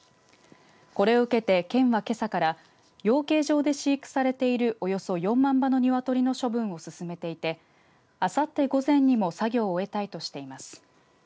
これを受けて県は、けさから養鶏場で飼育されているおよそ４万羽の鶏の処分を進めていてあさって午前にも作業を終えたいとしています。